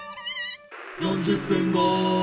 「４０分後」